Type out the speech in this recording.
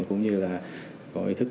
cũng như là có ý thức